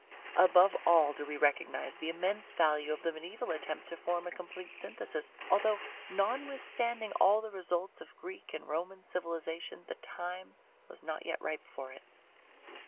Above all do we recognize the immense value of the mediaeval attempt to form a complete synthesis, although, notwithstanding all the results of Greek and Roman civilization, the time was not yet ripe for it.